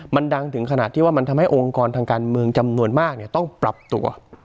มันดังถึงขนาดที่ว่ามันทำให้องค์กรทางการเมืองจำนวนมากต้องปรับตัว